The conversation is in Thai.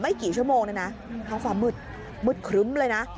กี่ชั่วโมงเลยนะทั้งความมืดมืดครึ้มเลยนะ